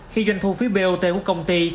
khi doanh thu phí bot của công ty